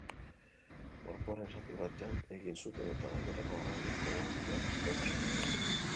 Gorpuaren zati bat jan egin zuten eta gainerako haragia komunetik behera bota zuten.